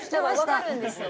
わかるんですよ。